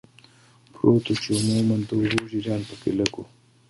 پروت و، چې عموماً د اوبو جریان پکې لږ و.